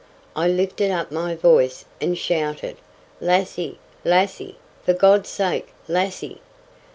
I lifted up my voice and shouted "Lassie! Lassie! for God's sake, Lassie!"